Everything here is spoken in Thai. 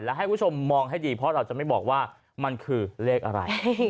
และให้คุณผู้ชมมองให้ดีเพราะเราจะไม่บอกว่ามันคือเลขอะไร